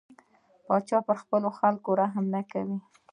پاچا پر خلکو رحم نه کوي.